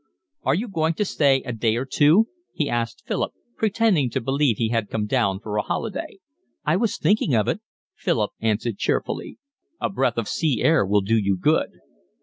"Are you going to stay a day or two?" He asked Philip, pretending to believe he had come down for a holiday. "I was thinking of it," Philip answered cheerfully. "A breath of sea air will do you good."